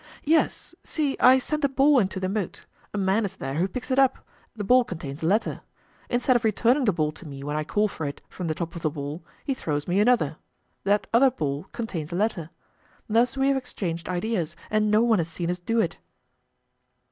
"Yes; see, I send a ball into the moat; a man is there who picks it up; the ball contains a letter. Instead of returning the ball to me when I call for it from the top of the wall, he throws me another; that other ball contains a letter. Thus we have exchanged ideas and no one has seen us do it."